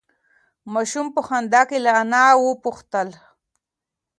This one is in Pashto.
ماشوم په خندا کې له انا نه وپوښتل.